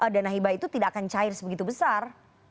dana hibah itu tidak akan cair sebegitu besar